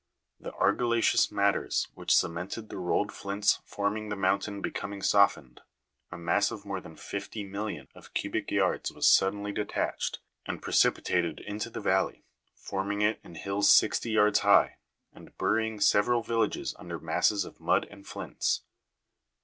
The argillaceous matters which cemented the rolled flints forming the mountain becoming softened, a mass of more than 50,000,000 of cubic yards was suddenly detached, and precipitated into the valley, forming in it hills sixty yards high, and burying several villages under masses of mud and flints.